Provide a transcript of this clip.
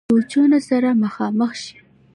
سوچونو سره مخامخ شي -